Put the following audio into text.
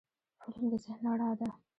فلم د ذهن رڼا ده